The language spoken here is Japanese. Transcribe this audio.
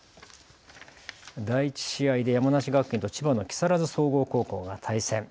第１試合で山梨学院と千葉の木更津総合高校が対戦。